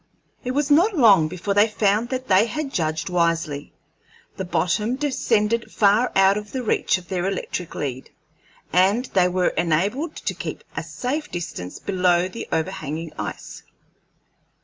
It was not long before they found that they had judged wisely; the bottom descended far out of the reach of their electric lead, and they were enabled to keep a safe distance below the overhanging ice.